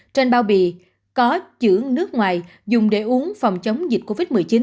trên bao bì có chữ nước ngoài dùng để uống phòng chống dịch covid một mươi chín